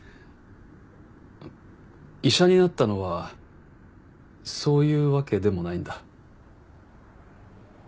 医者になったのはそういう訳でもないんだ。